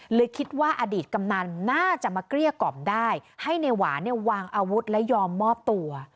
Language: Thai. เลยคิดว่าอดีตกำนันน่าจะมาเกลี้ยกล่อมได้ให้ในหวานเนี่ยวางอาวุธและยอมมอบตัว